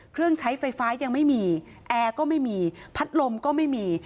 เครื่องใช้ไฟฟ้ายังไม่มีแอร์ก็ไม่มีพัดลมก็ไม่มี